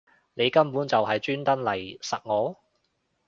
你根本就係專登嚟????實我